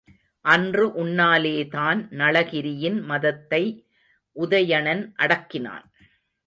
அன்று உன்னாலேதான் நளகிரியின் மதத்தை உதயணன் அடக்கினான்.